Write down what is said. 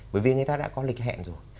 bởi vì người ta đã có lịch hẹn rồi